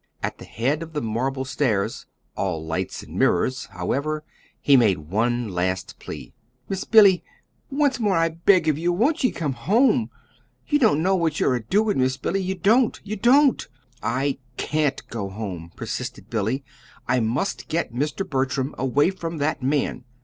At the head of the marble stairs "all lights and mirrors," however, he made one last plea. "Miss Billy, once more I beg of ye, won't ye come home? Ye don't know what yer a doin', Miss Billy, ye don't ye don't!" "I can't go home," persisted Billy. "I must get Mr. Bertram away from that man.